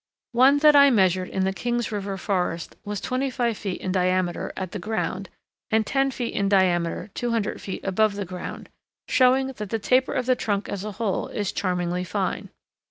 One that I measured in the King's River forest was 25 feet in diameter at the ground, and 10 feet in diameter 200 feet above the ground, showing that the taper of the trunk as a whole is charmingly fine.